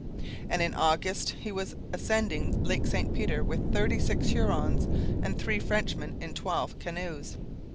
And in August he was ascending Lake St Peter with thirty six Hurons and three Frenchmen in twelve canoes.